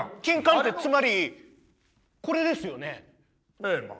ええまあ。